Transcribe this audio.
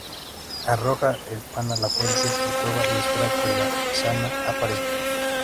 Arroja el pan a la fuente o cueva y espera que la xana aparezca.